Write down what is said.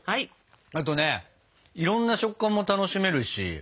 あとねいろんな食感も楽しめるし。